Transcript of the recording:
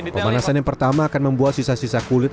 pemanasan yang pertama akan membuat sisa sisa kulit